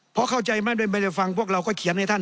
เพราะเข้าใจไม่ได้ฟังพวกเราก็เขียนให้ท่าน